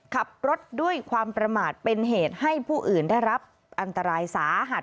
ขับรถด้วยความประมาทเป็นเหตุให้ผู้อื่นได้รับอันตรายสาหัส